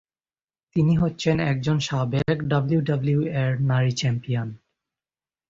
তিনি হচ্ছেন একজন সাবেক ডাব্লিউডাব্লিউই র নারী চ্যাম্পিয়ন।